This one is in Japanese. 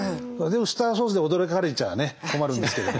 でウスターソースで驚かれちゃね困るんですけど。